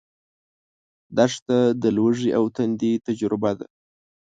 دښته د لوږې او تندې تجربه ده.